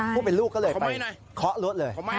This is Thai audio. ผู้เป็นลูกก็เลยไปเคาะรถเลย